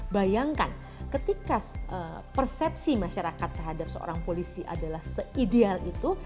bayangkan ketika persepsi masyarakat terhadap seorang polisi adalah se ideal itu